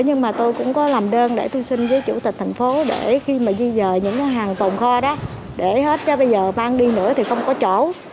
nhưng mà tôi cũng có làm đơn để tôi xin với chủ tịch thành phố để khi mà di dời những hàng tồn kho đó để hết cho bây giờ mang đi nữa thì không có chỗ